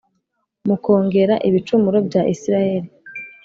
mukongera ibicumuro bya Isirayeli